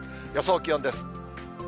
予想気温です。